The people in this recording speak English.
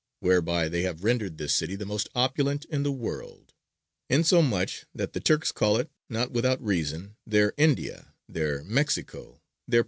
whereby they have rendered this city the most opulent in the world: insomuch that the Turks call it, not without reason, their India, their Mexico, their Peru."